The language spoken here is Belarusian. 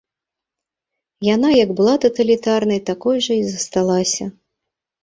Яна, як была таталітарнай, такой жа і засталася.